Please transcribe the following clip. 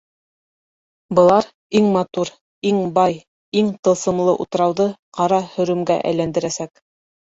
Былар иң матур, иң бай. иң тылсымлы утрауҙы ҡара һөрөмгә әйләндерәсәк!